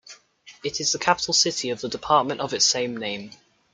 It is the capital city of the Department of its same name.